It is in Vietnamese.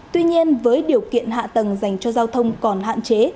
tuy nhiên với điều kiện hạ tầng dành cho giao thông còn hạn chế